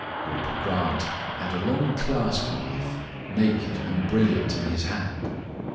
Rupert Grant had a long clasp knife naked and brilliant in his hand.